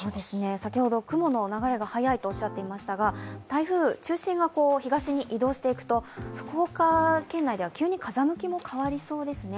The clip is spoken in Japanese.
先ほど雲の流れが速いとおっしゃっていましたが台風、中心が東に移動していくと、福岡県内では急に風向きも変わりそうですね。